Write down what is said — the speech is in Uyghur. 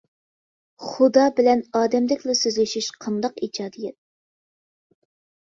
«خۇدا» بىلەن ئادەمدەكلا سۆزلىشىش قانداق ئىجادىيەت!